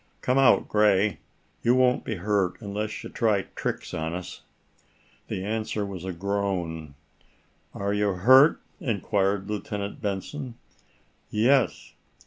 "Come out, Gray! You won't be hurt unless you try tricks on us." The answer was a groan. "Are your hurt?" inquired Lieutenant Benson. "Yes."